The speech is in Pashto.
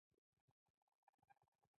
مطلب د ښوونکي په اړه دی.